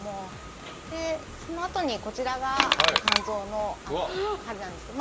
でそのあとにこちらが肝臓の針なんですけど。